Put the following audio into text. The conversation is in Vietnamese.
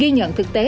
ghi nhận thực tế